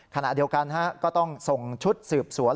ขณะเดียวกันก็ต้องส่งชุดสืบสวน